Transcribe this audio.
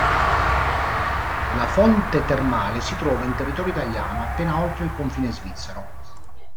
La fonte termale si trova in territorio italiano appena oltre il confine svizzero.